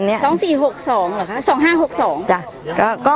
สวัสดีครับทุกคน